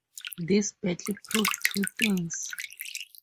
This battle proved two things.